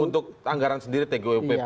untuk anggaran sendiri tgupp